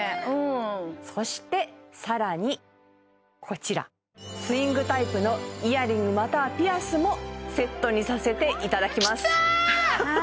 うんねっそして更にこちらスイングタイプのイヤリングまたはピアスもセットにさせていただきますあ